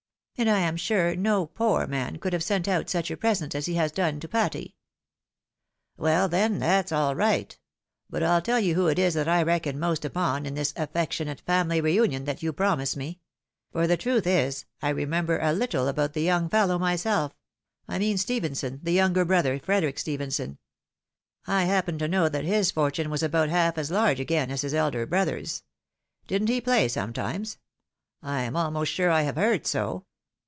And I am sure no poor man could have sent out such a present as he has done to Patty." " Well, then, that's all right. But I'll tell you who it is that I reckon most upon in tliis affectionate family reunion that you promise me ; for the truth is, I remember a little about the young fello w myself — I mean Stephenson, the younger brother, Frederick Stephenson. I happened to know that his fortune was about half as large again as his elder brother's. Didn't he play sometimes ? I am almost sure I have heard so.